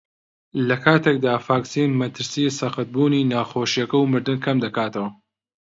لەکاتێکدا ڤاکسین مەترسیی سەختبوونی نەخۆشییەکە و مردن کەمدەکاتەوە